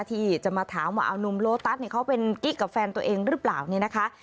ที่จะมาถามว่าเอานุ่มโลตัสเนี่ยเขาเป็นกิ๊กกับแฟนตัวเองหรือเปล่าเนี่ยนะคะ